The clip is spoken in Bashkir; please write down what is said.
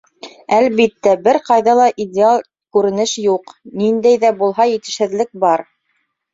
Әлбиттә, бер ҡайҙа ла идеаль күренеш юҡ, ниндәй ҙә булһа етешһеҙлек бар.